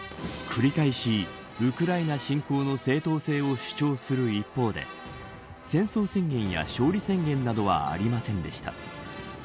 繰り返しウクライナ侵攻の正当性を主張する一方で戦争宣言や勝利宣言などはありませんでした。